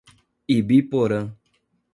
Ibiporã